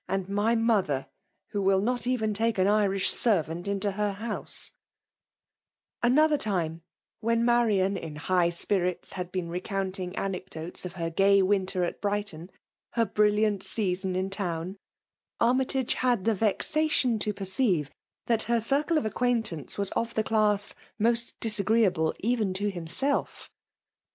And my mother, who will not eren take an Irish senrant into her house f* Another time, when Marian in high spirits had been roeonnting anecdotes of her gay winter at Brighton, her briili^it season m town, Armytage had the vexation to perceive that her circle of acquaintance was of the class most disagreeable even to himself.